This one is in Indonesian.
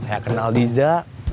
saya kenal diza